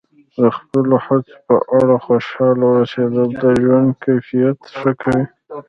د خپلو هڅو په اړه خوشحاله اوسیدل د ژوند کیفیت ښه کوي.